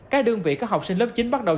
các đơn vị có học sinh lớp chín bắt đầu